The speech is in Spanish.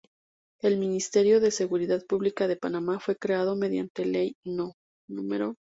El Ministerio de Seguridad Pública de Panamá fue creado mediante Ley No.